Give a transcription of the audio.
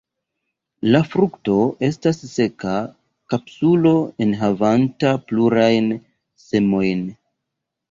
La frukto estas seka kapsulo enhavanta plurajn semojn.